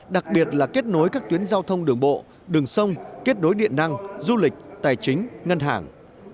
đặc biệt là kết nối các tuyến giao thông đường bộ đường sông kết nối điện năng du lịch tài chính ngân hàng